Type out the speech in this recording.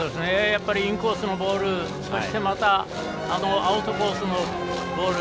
やっぱりインコースのボールそして、アウトコースのボール